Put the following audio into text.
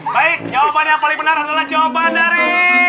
baik jawabannya paling benar adalah coba dari